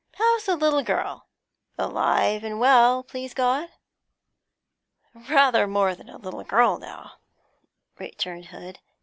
How's the little girl? Alive and well, please God?' 'Rather more than a little girl now,' returned Hood.